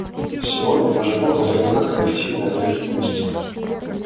Сегодня мы живем во времена коллективной ответственности.